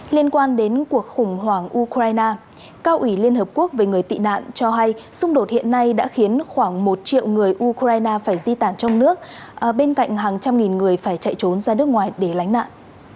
liên quan đến cuộc khủng hoảng ukraine cao ủy liên hợp quốc về người tị nạn cho hay xung đột hiện nay đã khiến khoảng một triệu người ukraine phải di tản trong nước bên cạnh hàng trăm nghìn người phải chạy trốn ra nước ngoài để lánh nạn